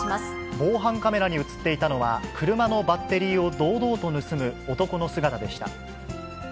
防犯カメラに写っていたのは、車のバッテリーを堂々と盗む男の姿でした。